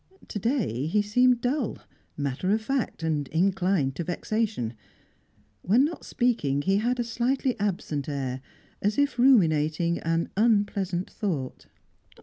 To day he seemed dull, matter of fact, inclined to vexation; when not speaking, he had a slightly absent air, as if ruminating an unpleasant thought.